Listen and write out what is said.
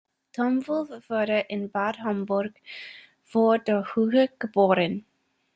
Tom Wolf wurde in Bad Homburg vor der Höhe geboren.